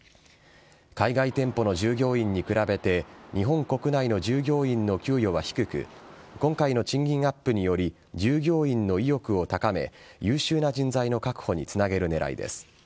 海外店舗の従業員に比べて日本国内の従業員の給与は低く今回の賃金アップにより従業員の意欲を高め優秀な人材の確保につなげる狙いです。